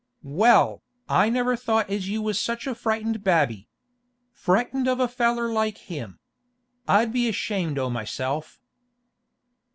'Well, I never thought as you was such a frightened babby! Frightened of a feller like him! I'd be ashamed o' myself!